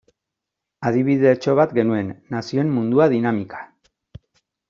Adibidetxo bat genuen, Nazioen Mundua dinamika.